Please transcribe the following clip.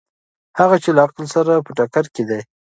هغه چې له عقل سره په ټکر کې دي.